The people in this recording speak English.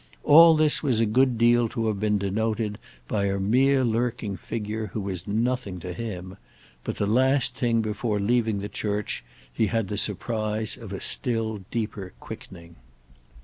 All this was a good deal to have been denoted by a mere lurking figure who was nothing to him; but, the last thing before leaving the church, he had the surprise of a still deeper quickening.